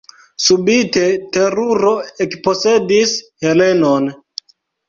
Subite teruro ekposedis Helenon.